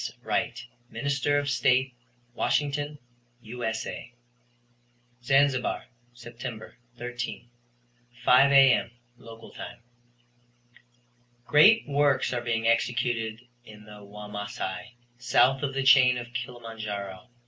Wright, Minister of State, Washington, U.S.A.: Zanzibar, Sept. 13, 5 A.M. (local time). Great works are being executed in the Wamasai, south of the chain of Kilimanjaro.